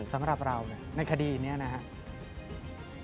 สำหรับเราเนี่ยในคดีเนี่ยนะครับ